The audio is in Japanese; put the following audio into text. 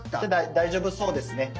大丈夫そうですね。